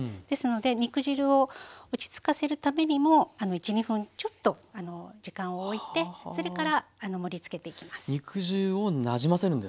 ですので肉汁を落ち着かせるためにも１２分ちょっと時間をおいてそれから盛りつけていきます。